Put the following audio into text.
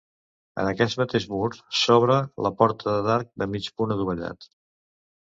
En aquest mateix mur s'obre la porta d'arc de mig punt adovellat.